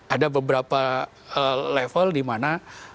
ada beberapa level dimana